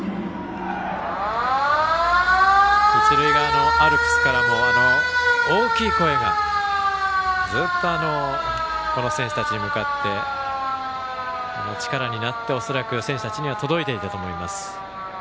一塁側のアルプスからも大きい声がずっとこの選手たちに向かっていて力になって、恐らく選手たちには届いているかと思います。